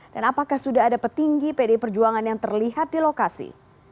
dan apakah sudah ada petinggi pdi perjuangan yang terlihat di lokasi